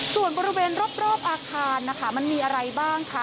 ส่วนบริเวณรอบอาคารนะคะมันมีอะไรบ้างคะ